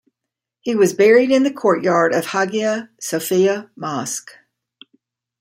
He was buried in the courtyard of Haghia Sophia Mosque.